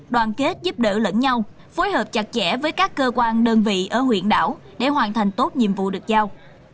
đoàn kết giúp đỡ lẫn nhau phối hợp chặt chẽ với các cơ quan đơn vị ở huyện đảo để hoàn thành tốt nhiệm vụ được giao